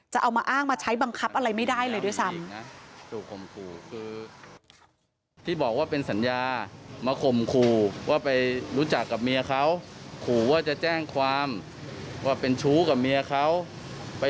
จะเอามาอ้างมาใช้บังคับอะไรไม่ได้เลยด้วยซ้ำ